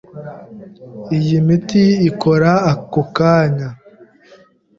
Iyi miti ikora ako kanya.